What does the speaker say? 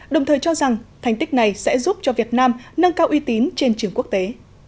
đồng thời cho rằng thành tích này sẽ giúp cho việt nam nâng cao uy tín trên trường quốc tế